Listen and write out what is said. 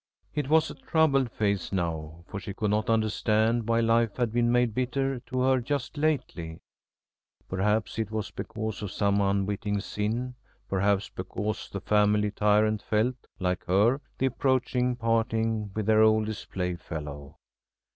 It was a troubled face now, for she could not understand why life had been made bitter to her just lately. Perhaps it was because of some unwitting sin, perhaps because the family tyrant felt, like her, the approaching parting with their old playfellow.